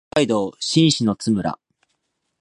北海道新篠津村